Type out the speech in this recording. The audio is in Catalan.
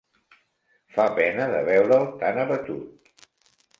Fa pena de veure'l tan abatut.